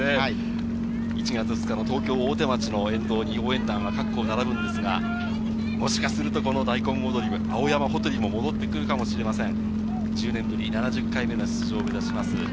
１月２日の東京・大手町の沿道に応援団は各校並ぶんですが、もしかするとこの大根踊り、本選にも戻ってくるかもしれません。